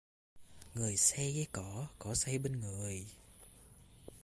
Người say với cỏ, cỏ say bên người!